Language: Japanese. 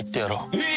えっ！